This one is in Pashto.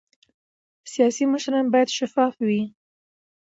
سیاسي مشران باید شفاف وي